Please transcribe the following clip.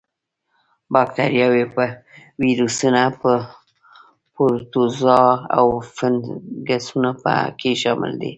با کتریاوې، ویروسونه، پروتوزوا او فنګسونه په کې شامل دي.